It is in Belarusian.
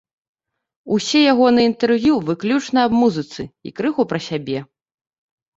Усе ягоныя інтэрв'ю выключна аб музыцы і крыху пра сябе.